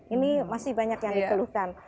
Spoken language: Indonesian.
ini masih banyak yang dikeluhkan